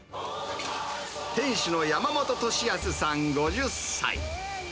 店主の山本俊恭さん５０歳。